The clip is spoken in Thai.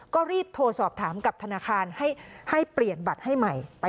ก็รีบโทรสอบถามกับธนาคารให้เปลี่ยนบัตรให้ใหม่